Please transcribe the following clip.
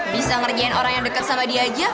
bisa ngerjain orang yang dekat sama dia aja